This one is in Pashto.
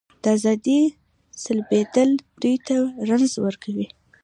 د ازادۍ سلبېدل دوی ته رنځ ورکوي.